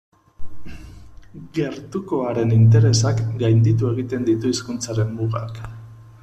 Gertukoaren interesak gainditu egiten ditu hizkuntzaren mugak.